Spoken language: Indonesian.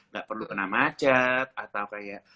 nggak perlu kena macet atau kayak